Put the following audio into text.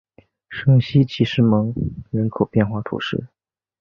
圣西吉斯蒙人口变化图示